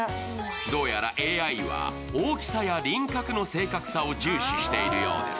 どうやらＡＩは大きさや輪郭の正確さを重視しているようです。